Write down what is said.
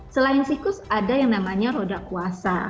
selain siklus ada yang namanya roda kuasa